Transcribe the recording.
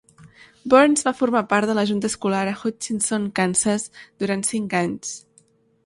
Burns va formar part de la junta escolar a Hutchinson, Kansas, durant cinc anys.